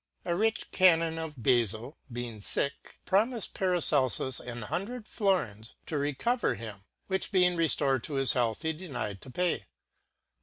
A rich % Canon of Bafill being fick promifed Paracellus an hundred florens to recover him, which being reftored to his health he denied to pay.